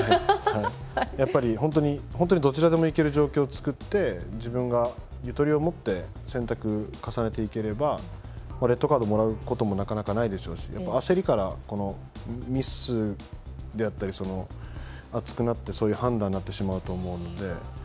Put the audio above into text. やっぱり本当にどちらでも行ける状況を作って自分がゆとりを持って選択を重ねていければレッドカードをもらうこともなかなかないでしょうし焦りから、ミスであったり熱くなって、そういう判断になってしまうと思うので。